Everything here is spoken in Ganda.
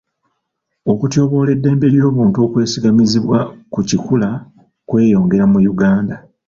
Okutyoboola eddembe ly'obuntu okwesigamizibwa ku kikula kweyongera mu Uganda.